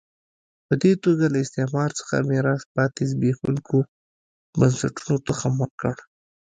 په دې توګه له استعمار څخه میراث پاتې زبېښونکو بنسټونو تخم وکره.